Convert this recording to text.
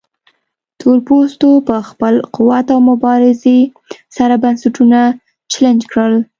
تورپوستو په خپل قوت او مبارزې سره بنسټونه چلنج کړل.